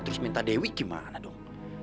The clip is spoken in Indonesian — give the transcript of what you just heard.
terus minta dewi gimana dong